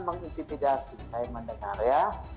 mengintimidasi saya mendengar ya